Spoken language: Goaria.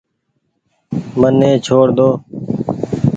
مني ڇوڙ ۮو۔